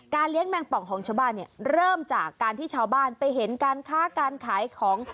เลี้ยงแมงป่องของชาวบ้านเนี่ยเริ่มจากการที่ชาวบ้านไปเห็นการค้าการขายของ